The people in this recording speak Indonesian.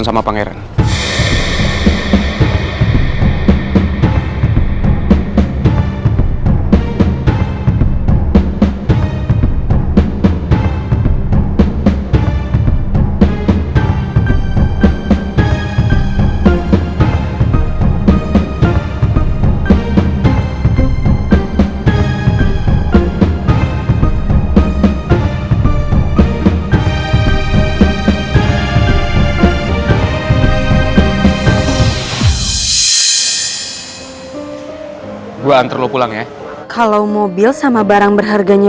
sampai jumpa di video selanjutnya